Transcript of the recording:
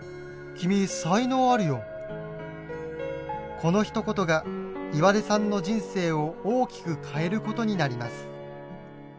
このひと言が岩出さんの人生を大きく変えることになります。